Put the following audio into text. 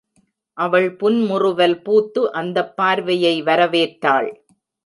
அவள் புன்முறுவல் பூத்து அந்தப் பார்வையை வரவேற்றாள்.